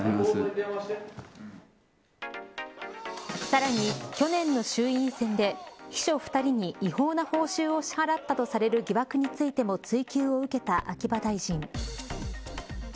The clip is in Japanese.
さらに、去年の衆院選で秘書２人に違法な報酬を支払ったとされる疑惑についても追及を受けた秋葉大臣。